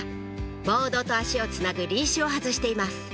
ボードと足をつなぐリーシュを外しています